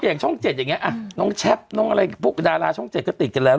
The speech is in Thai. อย่างช่องเจ็ดอย่างเงี้ยอ่ะน้องแช๊ปน้องอะไรพวกดาราช่องเจ็ดก็ติดกันแล้ว